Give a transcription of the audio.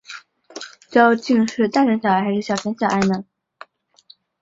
可见汉进士进入官僚集团上层要比女真进士缓慢和困难得多。